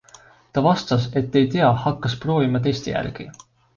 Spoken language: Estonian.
Ta vastas, et ei tea, hakkas proovima teiste järgi.